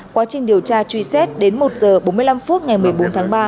quá trình điều tra truy xét đến một h bốn mươi năm phút ngày một mươi bốn tháng ba